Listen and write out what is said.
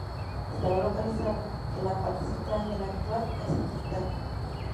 Estaba localizado en la parte central de la actual Kazajistán.